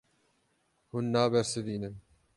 Hûn nabersivînin.